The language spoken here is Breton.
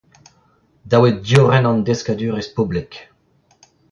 Dav eo diorren an deskadurezh poblek.